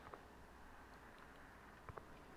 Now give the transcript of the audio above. আমার নামটা মনে নেই।